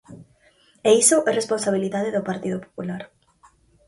E iso é responsabilidade do Partido Popular.